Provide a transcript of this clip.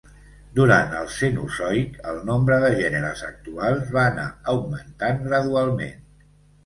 Durant el Cenozoic, el nombre de gèneres actuals va anar augmentant gradualment.